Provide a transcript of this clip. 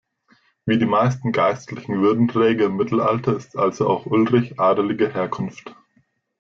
Wie die meisten geistlichen Würdenträger im Mittelalter ist also auch Ulrich adeliger Herkunft.